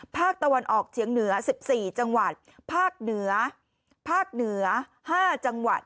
ภาคตะวันออกเฉียงเหนือ๑๔จังหวัดภาคเหนือภาคเหนือ๕จังหวัด